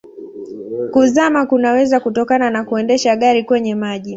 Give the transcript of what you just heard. Kuzama kunaweza kutokana na kuendesha gari kwenye maji.